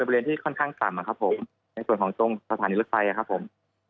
เป็นบริเวณที่ค่อนข้างสรรค์ส่ามครับส่วนของสถานีรถไฟครับครับ